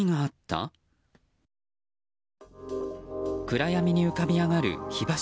暗闇に浮かび上がる火柱。